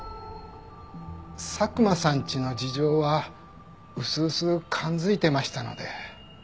佐久間さんちの事情はうすうす感づいてましたので。